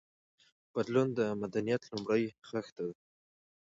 بدلون د مدنيت لومړۍ خښته ده.